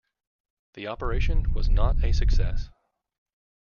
The operation was not a success.